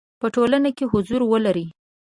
په ټولنه کې حضور ولري.